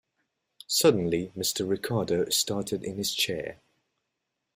Suddenly Mr. Ricardo started in his chair.